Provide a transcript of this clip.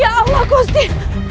ya allah kusih